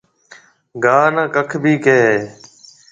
گاها نَي ڪک ڀِي ڪهيَ هيَ۔